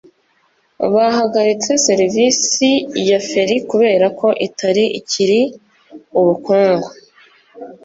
bahagaritse serivisi ya feri kubera ko itari ikiri ubukungu